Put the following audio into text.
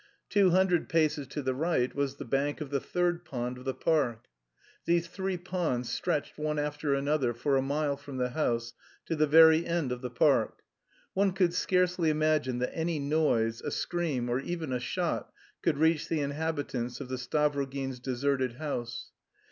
Two hundred paces to the right was the bank of the third pond of the park. These three ponds stretched one after another for a mile from the house to the very end of the park. One could scarcely imagine that any noise, a scream, or even a shot, could reach the inhabitants of the Stavrogins' deserted house.